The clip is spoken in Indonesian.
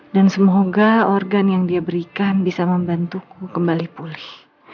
dan semoga organ yang dia berikan bisa membantuku kembali pulih